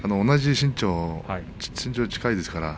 身長が、両者は近いですからね。